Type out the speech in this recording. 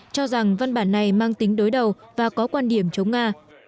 cho rằng văn bản này mang tính đối đầu và có quan điểm chống nga